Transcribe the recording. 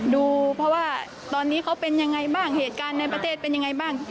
ดูเพราะว่าตอนนี้เขาเป็นยังไงบ้างเหตุการณ์ในประเทศเป็นยังไงบ้าง